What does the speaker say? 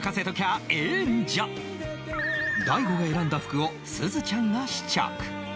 大悟が選んだ服をすずちゃんが試着